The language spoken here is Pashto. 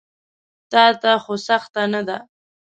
تاته خو سخته نه ده.